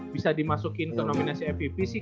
bisa dimasukin ke nominasi mpp sih